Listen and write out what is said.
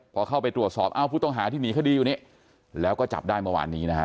พอเข้าไปตรวจสอบเอ้าผู้ต้องหาที่หนีคดีอยู่นี่แล้วก็จับได้เมื่อวานนี้นะฮะ